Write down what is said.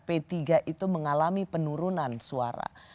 p tiga itu mengalami penurunan suara